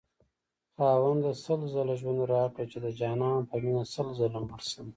خاونده سل ځله ژوند راكړې چې دجانان په مينه سل ځله مړشمه